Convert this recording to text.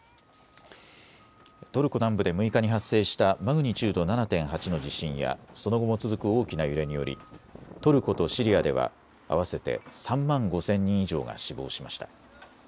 トルコ南部で６日に発生したマグニチュード７．８の地震やその後も続く大きな揺れによりトルコとシリアでは合わせて３万５０００人以上が死亡しました。